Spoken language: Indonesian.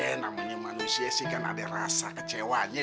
eh namanya manusia sih kan ada rasa kecewanya